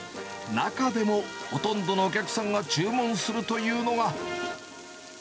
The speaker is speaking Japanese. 中でもほとんどのお客さんが注文するというのが。